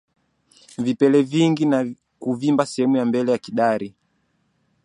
Vipele vingi na kuvimba sehemu ya mbele ya kidari